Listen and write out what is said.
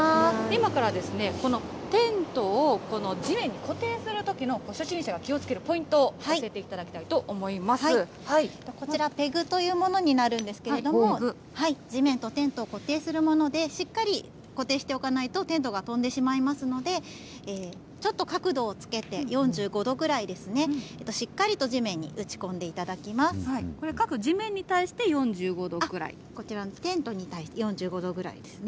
今からこのテントを、地面に固定するときの初心者が気をつけるポイントを教えていただきたいこちら、ペグというものになるんですけれども、地面とテントを固定するもので、しっかり固定しておかないとテントが飛んでしまいますので、ちょっと角度をつけて、４５度ぐらいですね、しっかりと地面に打これ、各地面に対して４５度こちら、テントに対して４５度ぐらいですね。